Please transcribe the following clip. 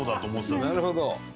なるほど。